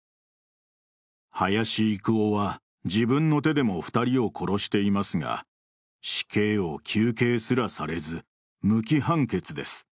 林郁夫は自分の手でも２人を殺していますが、死刑を求刑すらされず、無期判決です。